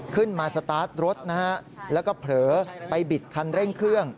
สตาร์ทรถนะฮะแล้วก็เผลอไปบิดคันเร่งเครื่อง